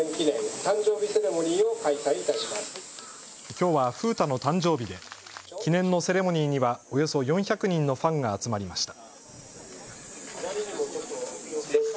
きょうは風太の誕生日で記念のセレモニーにはおよそ４００人のファンが集まりました。